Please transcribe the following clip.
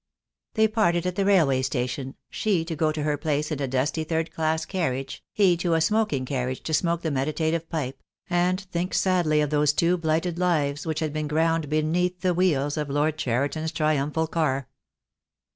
They parted at the railway station, she to go to her place in a dusty third class carriage, he to a smoking carriage to smoke the meditative pipe, and think sadly of those two blighted lives which had been ground beneath the wheels of Lord Cheriton's triumphal car.